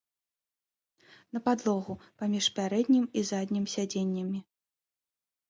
На падлогу паміж пярэднім і заднім сядзеннямі.